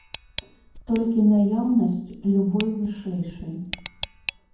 Толькі наяўнасць любой вышэйшай.